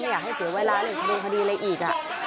ไม่อยากให้เสียเวลาหรือถูกโดยคดีอะไรอีก